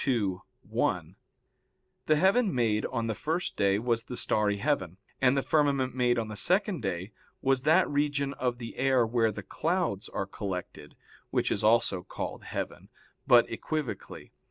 ii, 1] the heaven made on the first day was the starry heaven, and the firmament made on the second day was that region of the air where the clouds are collected, which is also called heaven, but equivocally.